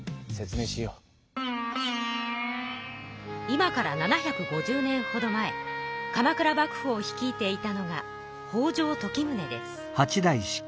今から７５０年ほど前鎌倉幕府を率いていたのが北条時宗です。